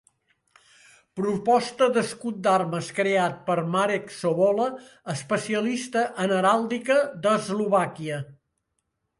Proposta d'escut d'armes creat per Marek Sobola, especialista en heràldica d'Eslovàquia.